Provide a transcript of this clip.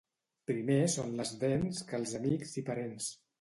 Primer són les dents que els amics i parents.